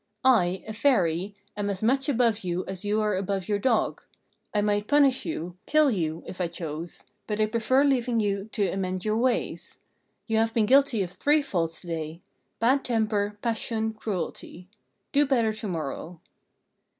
I a Fairy am as much above you as you are above your dog. I might punish you, kill you, if I chose; but I prefer leaving you to amend your ways. You have been guilty of three faults to day bad temper, passion, cruelty. Do better to morrow."